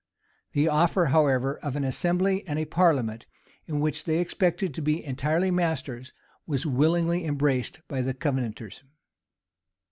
The offer, however, of an assembly and a parliament, in which they expected to be entirely masters, was willingly embraced by the Covenanters.